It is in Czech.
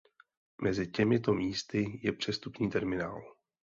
Mezi těmito místy je přestupní terminál.